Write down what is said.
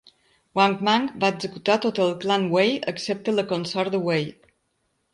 Wang Mang va executar tot el clan Wei, excepte la consort de Wei.